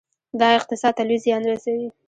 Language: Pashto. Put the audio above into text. دا اقتصاد ته لوی زیان رسوي.